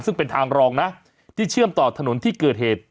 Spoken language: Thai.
ซึ่งเป็นทางรองนะที่เชื่อมต่อถนนที่เกิดเหตุ